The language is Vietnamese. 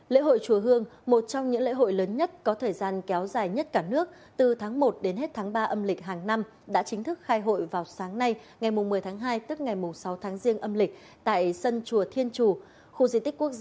lễ hội chùa hương một trong những lễ hội lớn nhất có thời gian kéo dài nhất cả nước từ tháng một đến hết tháng ba âm lịch hàng năm đã chính thức khai hội vào sáng nay ngày một mươi tháng hai tức ngày sáu tháng riêng âm lịch tại sân chùa thiên chù